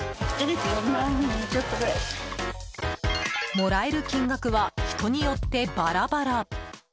もらえる金額は人によってバラバラ。